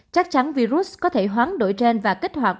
chắc chắn virus có thể hoán đổi trên và kích hoạt